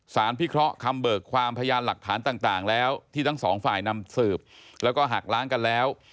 พิเคราะห์คำเบิกความพยานหลักฐานต่างแล้วที่ทั้งสองฝ่ายนำสืบแล้วก็หักล้างกันแล้ว